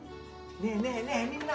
ねえねえねえみんな！